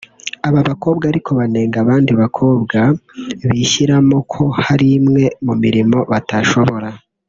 Aba bakobwa ariko banenga abandi bakobwa bishyiramo ko hari imwe mu mirimo batashobora